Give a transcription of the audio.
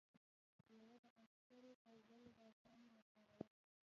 یوه د عسکرو او بله د افسرانو لپاره وه.